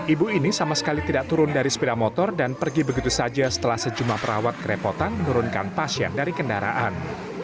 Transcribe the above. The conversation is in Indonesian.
ibu ini sama sekali tidak turun dari sepeda motor dan pergi begitu saja setelah sejumlah perawat kerepotan menurunkan pasien dari kendaraan